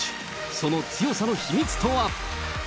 その強さの秘密とは。